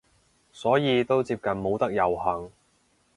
所以都接近冇得遊行